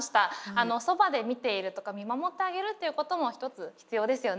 あのそばで見ているとか見守ってあげるということも一つ必要ですよね。